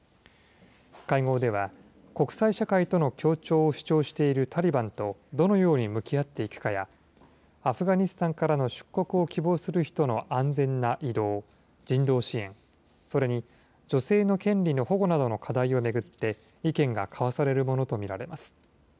会合では、国際社会との協調を主張しているタリバンと、どのように向き合っていくかや、アフガニスタンからの出国を希望する人の安全な移動、人道支援、それに女性の権利の保護などの課題を巡って、意見が交わされるものと見られます。